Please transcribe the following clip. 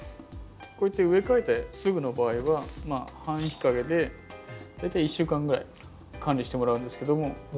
こうやって植え替えてすぐの場合は半日陰で大体一週間ぐらい管理してもらうんですけども。